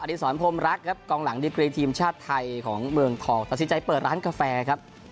ดีสอนพรมรักครับกองหลังดิกรีทีมชาติไทยของเมืองทองตัดสินใจเปิดร้านกาแฟครับ